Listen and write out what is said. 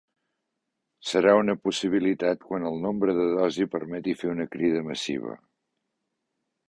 “Serà una possibilitat quan el nombre de dosi permeti fer una crida massiva”.